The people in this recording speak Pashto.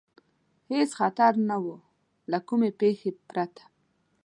هېڅ خطر نه و، له کومې پېښې پرته.